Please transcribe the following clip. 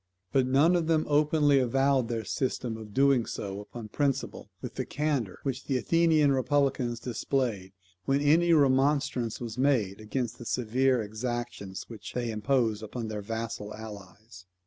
But none of them openly avowed their system of doing so upon principle, with the candour which the Athenian republicans displayed, when any remonstrance was made against the severe exactions which they imposed upon their vassal allies.